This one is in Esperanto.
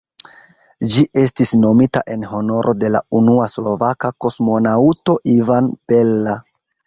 Ĝi estis nomita en honoro de la unua slovaka kosmonaŭto Ivan Bella.